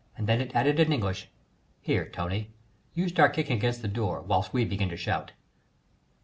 Then it added in English; "Here, Tony, you start kicking against the door whilst we begin to shout!"